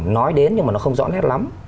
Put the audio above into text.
nói đến nhưng mà nó không rõ ràng lắm